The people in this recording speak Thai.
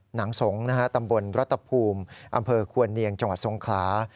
หนังสงศ์ตำบลรัฐภูมิอำเภอควรเนียงจังหวัดทรงขลา